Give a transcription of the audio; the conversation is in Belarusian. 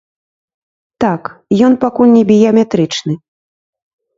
Так, ён пакуль не біяметрычны.